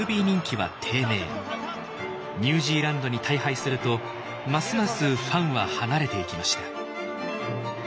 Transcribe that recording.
ニュージーランドに大敗するとますますファンは離れていきました。